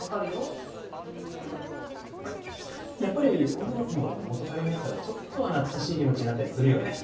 やっぱり女の子も元カレに会ったらちょっとは懐かしい気持ちになったりするよね